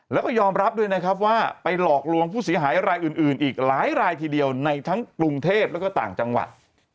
แล้วก็ยอมรับด้วยนะครับว่าไปหลอกลวงผู้เสียหายรายอื่นอีกหลายรายทีเดียวในทั้งกรุงเทพแล้วก็ต่างจังหวัด